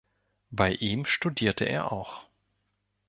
Bei ihm studierte er auch.